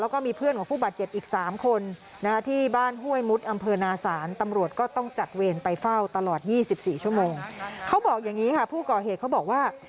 เขาบอกอย่างนี้ค่ะผู้ก่อเหตุเขาบอกว่า